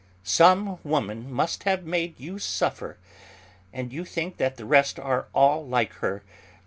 "Some woman must have made you suffer. And you think that the rest are all like her.